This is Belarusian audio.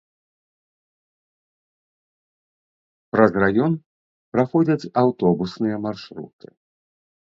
Праз раён праходзяць аўтобусныя маршруты.